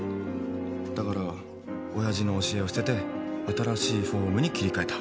だから親父の教えを捨てて新しいフォームに切り替えた。